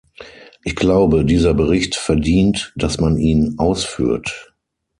Ich glaube, dieser Bericht verdient, dass man ihn ausführt.